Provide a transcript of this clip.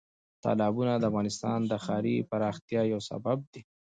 تالابونه د افغانستان د ښاري پراختیا یو سبب دی.